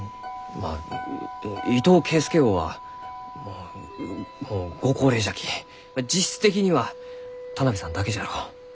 まあ伊藤圭介翁はもうご高齢じゃき実質的には田邊さんだけじゃろう。